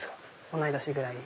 同い年ぐらい。